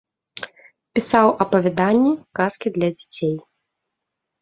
Пісаў апавяданні, казкі для дзяцей.